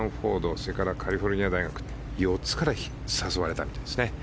それからカリフォルニア大学とか４つから誘われたみたいですね。